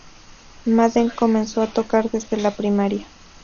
Madden comenzó a tocar desde la primaria.